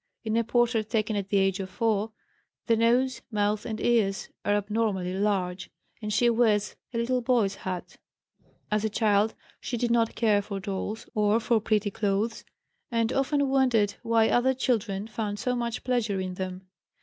In a portrait taken at the age of 4 the nose, mouth, and ears are abnormally large, and she wears a little boy's hat. As a child she did not care for dolls or for pretty clothes, and often wondered why other children found so much pleasure in them.